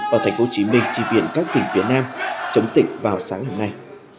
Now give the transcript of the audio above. vào thành phố hồ chí minh tri viện các tỉnh phía nam chống dịch vào sáng hôm nay